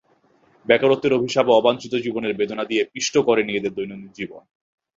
বেকারত্বের অভিশাপও অবাঞ্ছিত জীবনের বেদনা দিয়ে পিষ্ট করেনি এদের দৈনন্দিন জীবন।